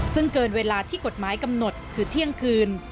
ซึ่งเกินเวลาที่กฎหมายกำหนดคือเที่ยงคืน